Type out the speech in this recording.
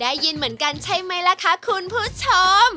ได้ยินเหมือนกันใช่ไหมล่ะคะคุณผู้ชม